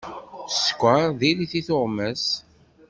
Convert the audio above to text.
Sskeṛ diri-t i tuɣmas.